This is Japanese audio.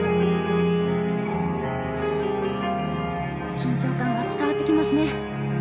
緊張感が伝わってきますね。